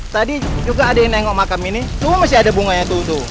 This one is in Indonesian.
tadi juga ada yang nengok makam ini cuma masih ada bunganya tuh tuh